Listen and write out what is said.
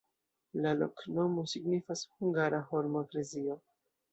La loknomo signifas: hungara-holmo-eklezio.